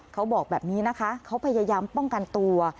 เขาบอกแบบนี้นะคะเขาพยายามป้องกันตัว